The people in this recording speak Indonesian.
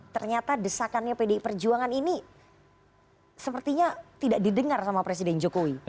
ternyata desakannya pdi perjuangan ini sepertinya tidak didengar sama presiden jokowi